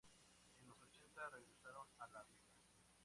En los ochenta regresaron a la villa.